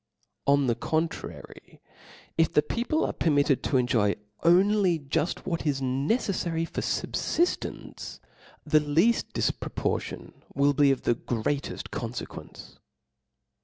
On the contrary, if the people are permitted to enjoy only juft.what is nc ceflary for fubfiftence, the leaft difproportion will be of the greateft confequence.